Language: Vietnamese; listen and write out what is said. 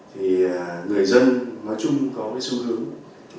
thì người dân nói chung có cái xu hướng